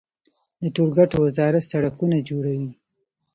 د ټولګټو وزارت سړکونه جوړوي